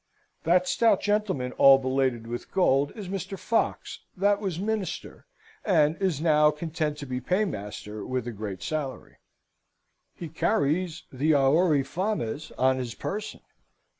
That stout gentleman all belated with gold is Mr. Fox, that was Minister, and is now content to be Paymaster with a great salary. "He carries the auri fames on his person.